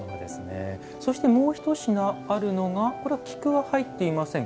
そして、もう１品あるのがこれは菊は入っていません。